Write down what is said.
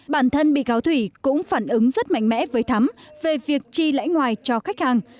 bản thân bị cáo thủy cũng phản ứng rất mạnh mẽ với thắm về việc chi lãi ngoài cho khách hàng